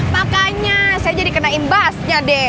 makanya saya jadi kena imbasnya deh